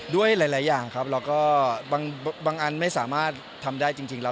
ด้วยหลายอย่างครับบางอันก็ไม่สามารถรับได้จริงก็ขอโทษด้วยครับ